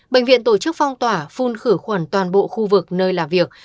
bệnh viện tổ chức phong tỏa phun khử khuẩn toàn bộ khu vực nơi làm việc